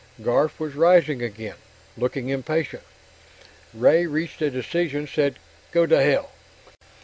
Garf was rising again, looking impatient. Ray reached a decision, said "Go to hell!"